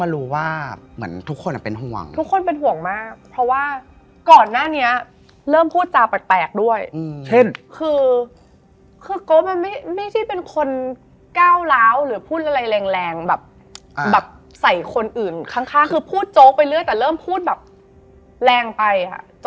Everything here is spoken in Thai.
แบบโปร่งสวยดีเลยเราก็มองแล้วมีอะไร